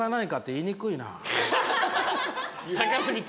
高過ぎて？